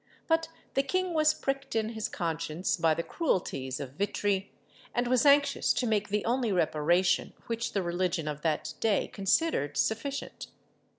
But the king was pricked in his conscience by the cruelties of Vitry, and was anxious to make the only reparation which the religion of that day considered sufficient.